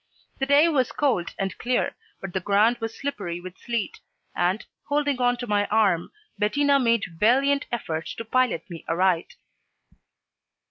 The day was cold and clear, but the ground was slippery with sleet, and, holding on to my arm, Bettina made valiant effort to pilot me aright.